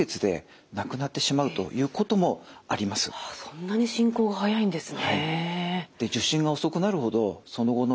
そんなに進行が速いんですね。